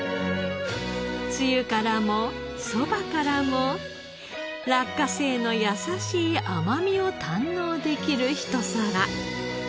つゆからもそばからも落花生の優しい甘みを堪能できるひと皿。